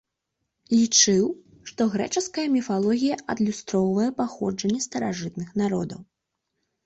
Лічыў, што грэчаская міфалогія адлюстроўвае паходжанне старажытных народаў.